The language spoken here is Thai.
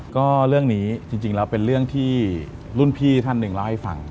ก็เรื่องนี้จริงแล้วเป็นเรื่องที่รุ่นพี่ท่านหนึ่งเล่าให้ฟัง